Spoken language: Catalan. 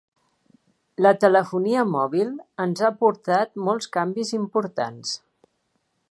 La telefonia mòbil ens ha aportat molts canvis importants.